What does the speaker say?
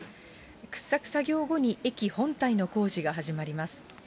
掘削作業後に駅本体の工事が始まります。